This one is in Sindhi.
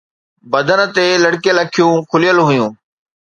بدن تي لڙڪيل اکيون کليل هيون